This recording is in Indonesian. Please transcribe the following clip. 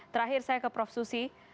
terakhir saya ke prof susi